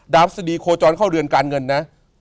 พฤษฎีโคจรเข้าเรือนการเงินนะ